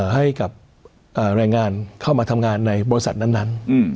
ให้กับแรงงานเข้ามาทำงานในบริษัทนั้น